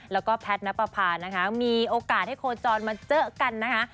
แล้วก็แพทย์นับประพานะคะมีโอกาสให้โคจรมาเจอกันนะคะ